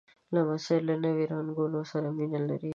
لمسی له نوي رنګونو سره مینه لري.